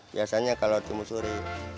biasanya kalau timun suri